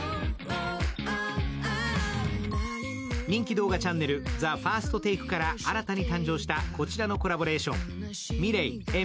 人気動画チャンネル、「ＴＨＥＦＩＲＳＴＴＡＫＥ」から新たに誕生したこちらのコラボレーション。